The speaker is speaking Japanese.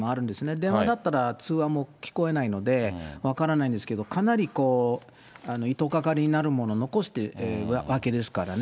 電話だったら通話も聞こえないので分からないんですけど、かなりこう、いとがかりになるもの残してるわけですからね。